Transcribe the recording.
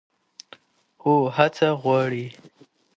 خو هڅه غواړي.